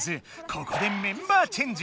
ここでメンバーチェンジ。